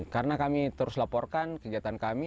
karena kami terus laporkan kegiatan kami